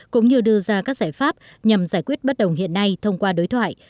cũng như đưa ra các giải pháp nhằm giải quyết bất đồng hiện nay thông qua đối thoại